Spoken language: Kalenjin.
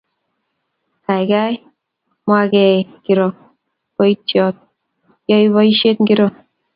Gaigai, mwagee kiro boiyot,"Iyoe boisiet ngiro?"